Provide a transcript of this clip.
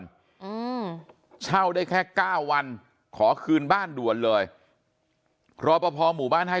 ด่วนเช่าได้แค่๙วันขอคืนบ้านด่วนเลยเพราะพอหมู่บ้านให้